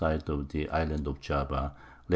side of the Island of Java, Lat.